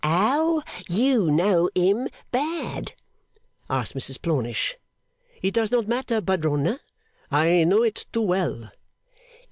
'Ow you know him bad?' asked Mrs Plornish. 'It does not matter, Padrona. I know it too well.